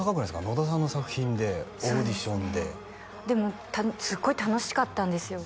野田さんの作品でオーディションででもすっごい楽しかったんですよ